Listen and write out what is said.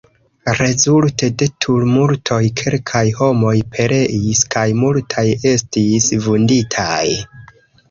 Rezulte de tumultoj kelkaj homoj pereis kaj multaj estis vunditaj.